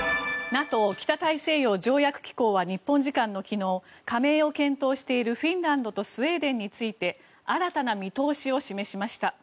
ＮＡＴＯ・北大西洋条約機構は日本時間の昨日加盟を検討しているフィンランドとスウェーデンについて新たな見通しを示しました。